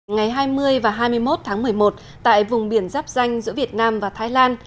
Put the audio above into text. ngày hai mươi và hai mươi một tháng một mươi một tại vùng biển giáp danh giữa việt nam và thái lan